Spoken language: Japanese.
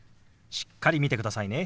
しっかり見てくださいね。